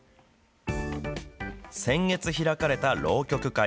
先月開かれた浪曲会。